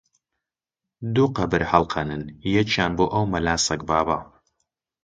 -دوو قەبر هەڵقەنن، یەکیان بۆ ئەو مەلا سەگبابە!